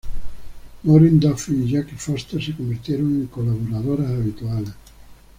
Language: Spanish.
Maureen Duffy y Jackie Forster se convirtieron en colaboradoras habituales.